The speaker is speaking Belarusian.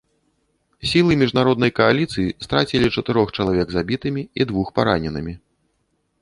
Сілы міжнароднай кааліцыі страцілі чатырох чалавек забітымі і двух параненымі.